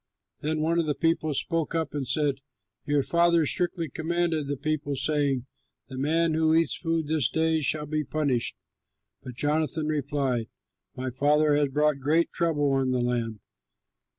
Then one of the people spoke up and said, "Your father strictly commanded the people, saying, 'The man who eats food this day shall be punished.'" But Jonathan replied, "My father has brought great trouble on the land.